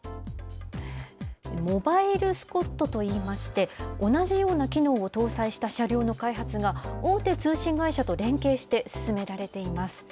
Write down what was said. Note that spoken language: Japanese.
モバイルスコットといいまして、同じような機能を搭載した車両の開発が、大手通信会社と連携して進められています。